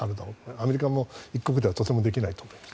アメリカも一国ではできないと思います。